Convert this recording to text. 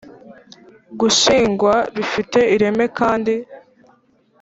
gushingwa bifite ireme kandi